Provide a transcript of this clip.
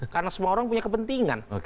karena semua orang punya kepentingan